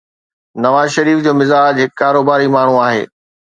نواز شريف جو مزاج هڪ ڪاروباري ماڻهو آهي.